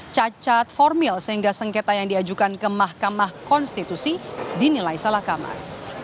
cacat formil sehingga sengketa yang diajukan ke mahkamah konstitusi dinilai salah kamar